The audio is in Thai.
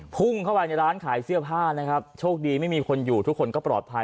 พุ่งเข้าไปในร้านขายเสื้อผ้านะครับโชคดีไม่มีคนอยู่ทุกคนก็ปลอดภัย